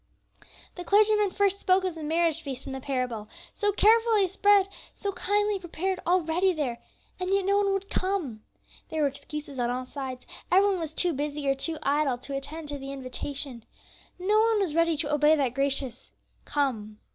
The clergyman first spoke of the marriage feast in the parable, so carefully spread, so kindly prepared, all ready there, and yet no one would come! There were excuses on all sides, every one was too busy or too idle to attend to the invitation; no one was ready to obey that gracious "Come."